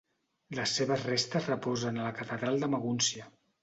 Les seves restes reposen a la catedral de Magúncia.